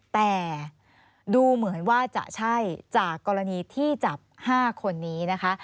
แต่ดูเหมือนว่าจะใช่จากกรณีที่จับ๕คนนี้นะคะ